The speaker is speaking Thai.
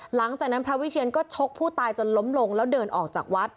หลังจากนั้นพระวิเชียนก็ชกผู้ตายจนล้มลงแล้วเดินออกจากวัด